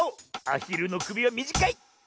アヒルのくびはみじかい！